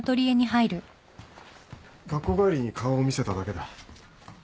学校帰りに顔を見せただけだ。